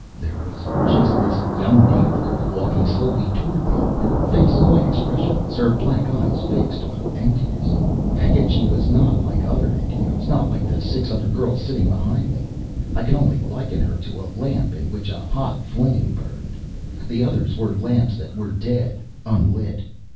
There was just this young native girl walking slowly toward me, her face quite expressionless, her black eyes fixed on emptiness. Yet she was not like other Indios, not like the six other girls sitting behind me. I can only liken her to a lamp in which a hot flame burned. The others were lamps that were dead, unlit.